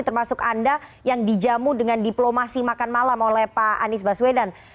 termasuk anda yang dijamu dengan diplomasi makan malam oleh pak anies baswedan